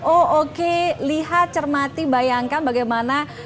oh oke lihat cermati bayangkan bagaimana